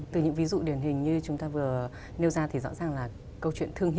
từ những ví dụ điển hình như chúng ta vừa nêu ra thì rõ ràng là câu chuyện thương hiệu